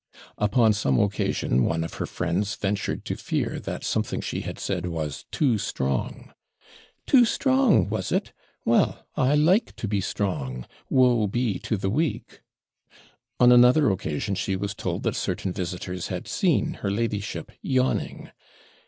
Upon some occasion, one of her friends VENTURED to fear that something she had said was TOO STRONG. 'Too strong, was it? Well, I like to be strong woe be to the weak.' On another occasion she was told that certain visitors had seen her ladyship yawning.